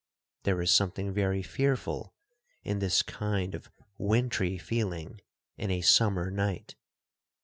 There is something very fearful in this kind of wintry feeling in a summer night.